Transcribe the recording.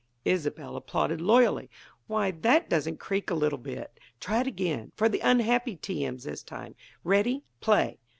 Isobel applauded loyally. "Why, that doesn't creak a little bit! Try it again; for the unhappy T. M.'s, this time. Ready? Play!"